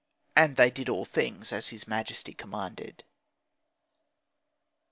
And they did all things as his majesty commanded.